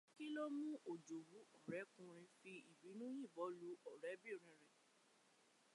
Kí ló mú òjòwú ọ̀rẹ́kùnrin fì ìbínú yìnbọn lu ọ̀rẹ́bìnrin rẹ̀?